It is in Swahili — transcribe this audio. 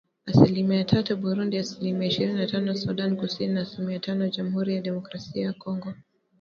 asilimia tatu Burundi asilimia ishirini na tano Sudan Kusini na asilimia tano Jamuhuri ya Demokrasia ya Kongo